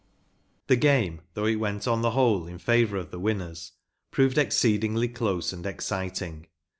The game, though it went on the whole in favour of the winners, proved exceedingly close and exciting.